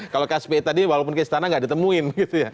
kalau kspi tadi walaupun ke istana nggak ditemuin